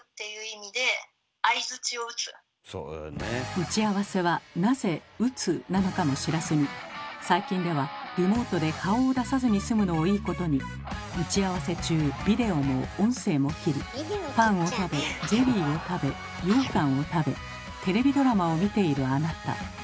打ち合わせはなぜ「打つ」なのかも知らずに最近ではリモートで顔を出さずにすむのをいいことに打ち合わせ中ビデオも音声も切りパンを食べゼリーを食べようかんを食べテレビドラマを見ているあなた。